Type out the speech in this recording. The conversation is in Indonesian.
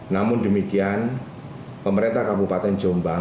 namun demikian pemerintah kabupaten jombang